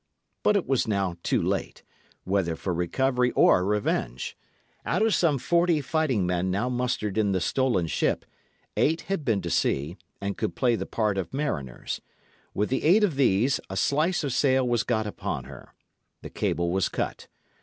But it was now too late, whether for recovery or revenge. Out of some forty fighting men now mustered in the stolen ship, eight had been to sea, and could play the part of mariners. With the aid of these, a slice of sail was got upon her. The cable was cut.